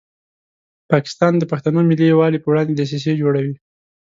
پاکستان د پښتنو ملي یووالي په وړاندې دسیسې جوړوي.